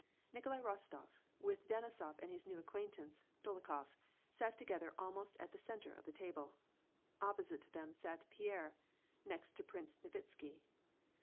Nikolai Rostof, with Denisof and his new acquaintance, Dol okhof, sat together almost at the centre of the table. Opposite to them sat Pierre, next to Prince Nesvitsky.